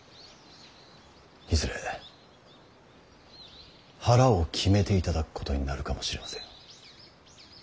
いずれ腹を決めていただくことになるかもしれません。